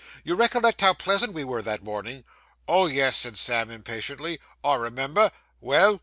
You recollect how pleasant we were that morning?' 'Oh, yes,' said Sam, impatiently. 'I remember. Well?